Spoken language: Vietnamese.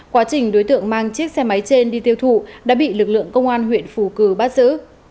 quá trình đối tượng mang chiếc xe máy trên đi tiêu thụ đã bị lực lượng công an huyện phù cử bắt giữ